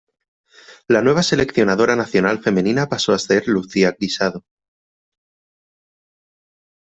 La nueva seleccionadora nacional femenina pasó a ser Lucía Guisado.